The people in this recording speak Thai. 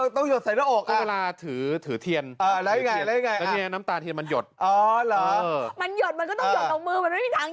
แต่ว่าท่านนี้ต้องเรียกท่านนะครับต้องเรียกท่านนะฮะ